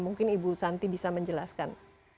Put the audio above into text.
mungkin ibu santi bisa menjelaskan